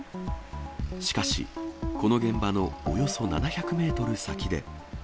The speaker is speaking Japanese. しかし、この現場のおよそ７００メートル先で。